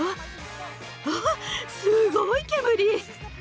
わすごい煙！